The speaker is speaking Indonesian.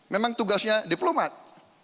memang tugasnya diplomat